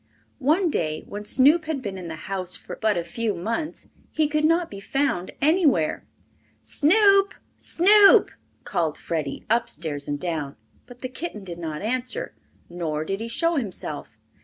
One day, when Snoop had been in the house but a few months, he could not be found anywhere. "Snoop! Snoop!" called Freddie, upstairs and down, but the kitten did not answer, nor did he show himself.